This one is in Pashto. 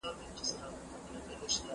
عمر فاروق د ښځو د ارزښت په اړه خبري کړي دي.